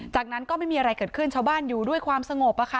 จากนั้นก็ไม่มีอะไรเกิดขึ้นชาวบ้านอยู่ด้วยความสงบ